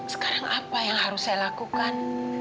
sekarang apa yang harus saya lakukan